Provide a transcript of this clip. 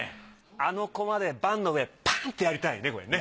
あの駒で盤の上パーンってやりたいねこれね。